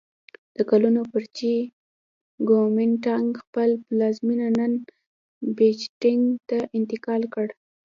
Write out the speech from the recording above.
د کلونو پر چې ګومین ټانګ خپل پلازمېنه نن بیجینګ ته انتقال کړ.